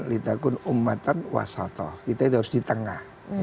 kita itu harus di tengah